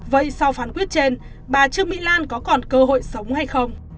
vậy sau phán quyết trên bà trương mỹ lan có còn cơ hội sống hay không